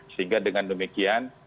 sehingga dengan demikian